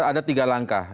ada tiga langkah